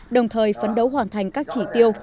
đồng thời phấn đấu hoàn thành các chỉ tiêu